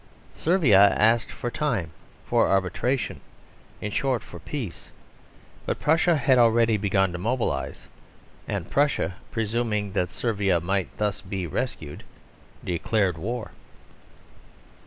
Servia asked for time, for arbitration in short, for peace. But Prussia had already begun to mobilise; and Prussia, presuming that Servia might thus be rescued, declared war.